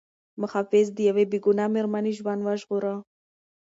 محافظ د یوې بې ګناه مېرمنې ژوند وژغوره.